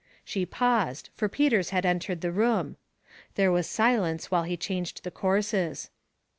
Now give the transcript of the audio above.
She paused, for Peters had entered the room. There was silence while he changed the courses.